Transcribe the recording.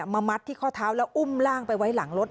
มัดที่ข้อเท้าแล้วอุ้มร่างไปไว้หลังรถ